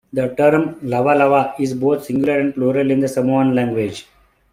The term "lavalava" is both singular and plural in the Samoan language.